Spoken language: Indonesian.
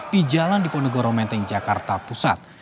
di jalan diponegoro menteng jakarta pusat